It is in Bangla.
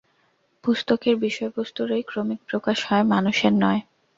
পুস্তকের বিষয়বস্তুরই ক্রমিক প্রকাশ হয়, মানুষের নয়।